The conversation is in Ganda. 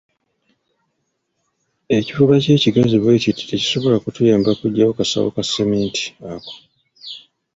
Ekifuba kyo ekigazi bwe kiti tekisobola kutuyamba kuggyawo kasawo ka seminti ako.